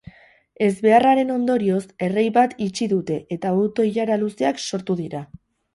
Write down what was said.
Ezbeharraren ondorioz, errei bat itxi dute eta auto-ilara luzeak sortu dira.